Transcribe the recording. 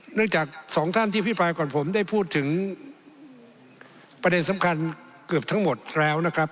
จากสองท่านที่พิปรายก่อนผมได้พูดถึงประเด็นสำคัญเกือบทั้งหมดแล้วนะครับ